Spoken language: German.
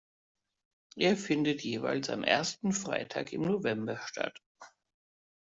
Er findet jeweils am ersten Freitag im November statt.